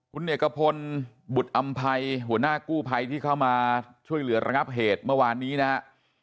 คุณเอกพลบุตอำภัยหัวหน้ากู้ภัยที่เข้ามาช่วยเหลือระงับเหตุเมื่อวานนี้นะฮะ